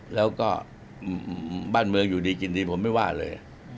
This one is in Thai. แล้วก็บ้านเมืองอยู่ดีกินดีผมไม่ว่าเลย